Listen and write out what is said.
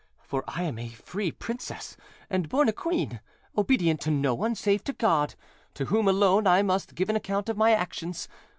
For I am a free princess and born a queen, obedient to no one, save to God, to whom alone I must give an account of my actions.